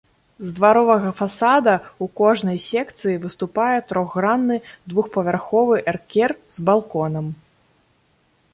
З дваровага фасада ў кожнай секцыі выступае трохгранны двухпавярховы эркер з балконам.